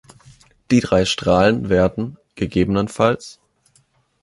Die drei Strahlen werden, ggf.